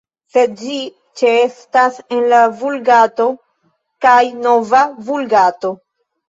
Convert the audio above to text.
Sed ĝi ĉeestas en la Vulgato kaj Nova Vulgato.